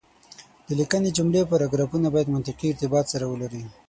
د ليکنې جملې او پاراګرافونه بايد منطقي ارتباط سره ولري.